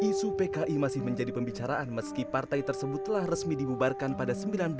isu pki masih menjadi pembicaraan meski partai tersebut telah resmi dibubarkan pada seribu sembilan ratus sembilan puluh